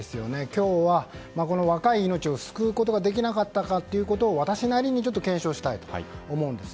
今日は、この若い命を救うことができなかったのかということを私なりに検証したいと思うんです。